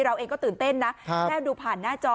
เราเองก็ตื่นเต้นนะแค่ดูผ่านหน้าจอ